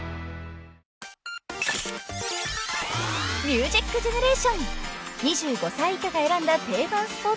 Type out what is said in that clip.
［『ミュージックジェネレーション』２５歳以下が選んだ定番スポーツソング］